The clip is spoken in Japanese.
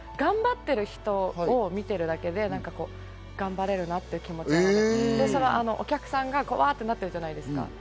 頑張ってる人を見ているだけで頑張れるなっていう気持ちなので、お客さんがワってなってるじゃないですか。